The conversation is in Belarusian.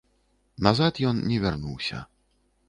Назад ён не вярнуўся.